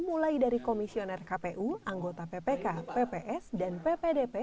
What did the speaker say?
mulai dari komisioner kpu anggota ppk pps dan ppdp